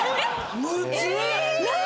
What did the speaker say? むずっ！